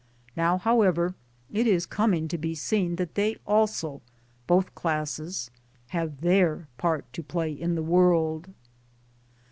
Now however it is coming to be seen that they also both classes have their part to play in the world.